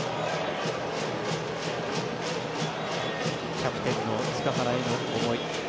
キャプテンの塚原への思い。